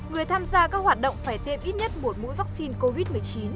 người tham gia các hoạt động phải tiêm ít nhất một mũi vaccine covid một mươi chín